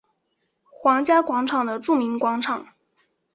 皇家广场的著名广场。